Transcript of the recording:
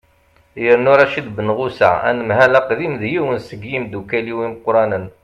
yernu racid benɣusa anemhal aqdim d yiwen seg yimeddukkal-iw imeqqranen